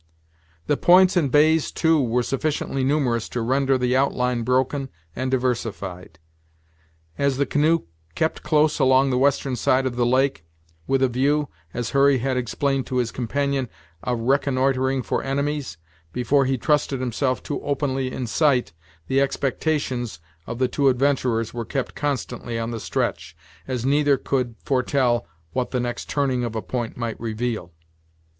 The points and bays, too, were sufficiently numerous to render the outline broken and diversified. As the canoe kept close along the western side of the lake, with a view, as Hurry had explained to his companion, of reconnoitering for enemies, before he trusted himself too openly in sight, the expectations of the two adventurers were kept constantly on the stretch, as neither could foretell what the next turning of a point might reveal.